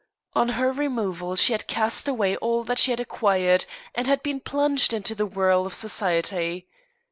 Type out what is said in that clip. On her removal she had cast away all that she had acquired, and had been plunged into the whirl of Society.